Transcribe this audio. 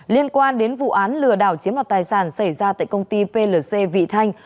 liên quan đến vụ án lừa đảo chiếm đoạt tài sản xảy ra tại công ty plc vị thanh